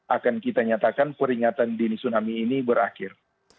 akan kita nyatakan peringatan di sini tsunami ini berakhir